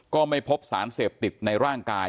ก็ไม่พบสารเสพติดในร่างกาย